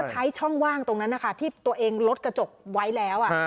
ใช้ช่องว่างตรงนั้นนะคะที่ตัวเองลดกระจกไว้แล้ว